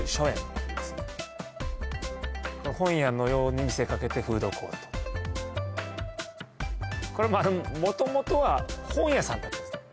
本屋のように見せかけてフードコート元々は本屋さんだったんですね